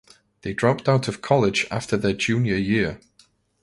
They dropped out of college after their junior year.